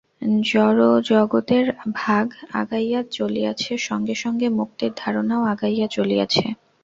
জড়জগতের ভাব আগাইয়া চলিয়াছে, সঙ্গে সঙ্গে মুক্তির ধারণাও আগাইয়া চলিয়াছে।